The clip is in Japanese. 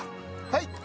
はい！